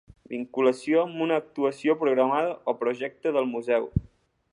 Vinculació amb una actuació programada o projecte del museu.